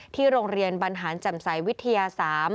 โรงเรียนบรรหารแจ่มใสวิทยา๓